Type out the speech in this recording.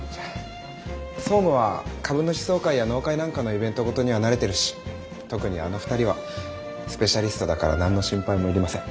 総務は株主総会や納会なんかのイベント事には慣れてるし特にあの２人はスペシャリストだから何の心配もいりません。